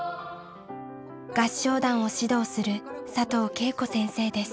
合唱団を指導する佐藤敬子先生です。